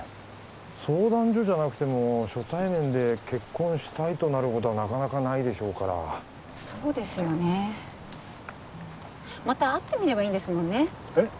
相談所じゃなくても初対面で結婚したいとなることはなかなかないでしょうからそうですよねまた会ってみればいいんですもんねえっ？